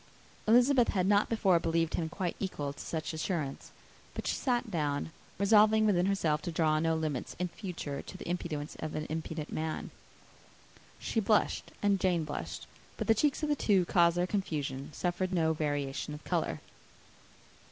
Elizabeth had not before believed him quite equal to such assurance; but she sat down, resolving within herself to draw no limits in future to the impudence of an impudent man. She blushed, and Jane blushed; but the cheeks of the two who caused their confusion suffered no variation of colour.